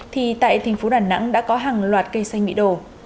thì tại thành phố đà nẵng đã có hàng loạt cây xanh bị đổ